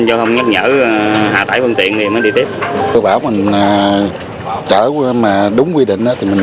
giao thông nhắc nhở hạ tải phương tiện thì mới đi tiếp tôi bảo mình chở mà đúng quy định thì mình